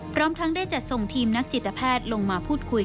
พร้อมทั้งได้จัดส่งทีมนักจิตแพทย์ลงมาพูดคุย